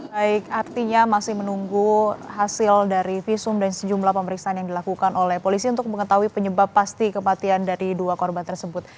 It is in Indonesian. baik artinya masih menunggu hasil dari visum dan sejumlah pemeriksaan yang dilakukan oleh polisi untuk mengetahui penyebab pasti kematian dari dua korban tersebut